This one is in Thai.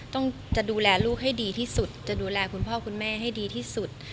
ต้องจะดูแลลูกให้ดีที่สุดจะดูแลคุณพ่อคุณแม่ให้ดีที่สุด